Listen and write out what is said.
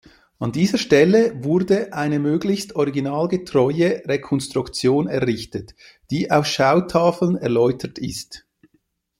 An dieser Stelle wurde eine möglichst originalgetreue Rekonstruktion errichtet, die auf Schautafeln erläutert ist.